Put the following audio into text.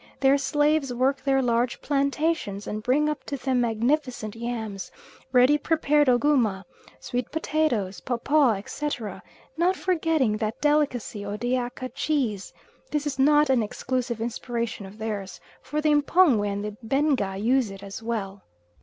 Their slaves work their large plantations, and bring up to them magnificent yams, ready prepared ogooma, sweet potatoes, papaw, etc., not forgetting that delicacy Odeaka cheese; this is not an exclusive inspiration of theirs, for the M'pongwe and the Benga use it as well.